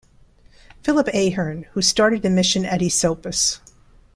Philip Ahern who started a mission at Esopus.